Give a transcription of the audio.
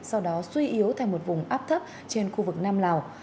sau đó suy yếu thành một vùng áp thấp trên khu vực nam lào